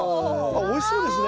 あおいしそうですね。